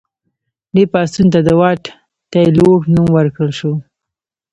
دې پاڅون ته د واټ تایلور نوم ورکړل شو.